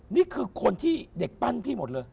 นี่คือคนที่เด็กปั้นพี่หมดเลย